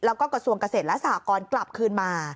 แล้วก็กระทรวงเกษตรและสหกรกลับคืนมา